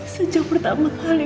sejak pertama kali